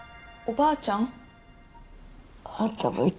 ばあちゃん